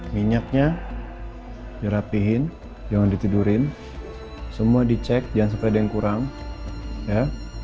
minyaknya dirapihin jangan ditidurin semua dicek jangan sampai ada yang kurang ya